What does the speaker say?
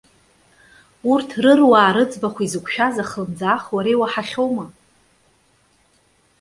Урҭ рыруаа рыӡбахә изықәшәаз ахлымӡаах уара иуаҳахьоума?